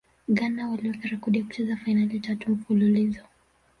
ghana waliweka rekodi ya kucheza fainali tatu mfululizo